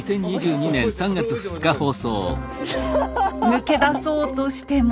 抜け出そうとしても。